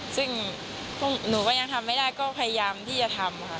ซึ่งหนูก็ยังทำไม่ได้ก็พยายามที่จะทำค่ะ